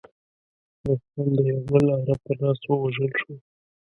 رستم د یوه بل عرب په لاس ووژل شو.